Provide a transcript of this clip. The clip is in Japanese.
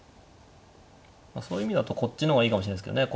そういう意味だとこっちの方がいいかもしれないですけどね。